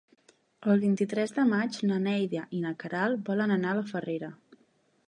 El vint-i-tres de maig na Neida i na Queralt volen anar a Farrera.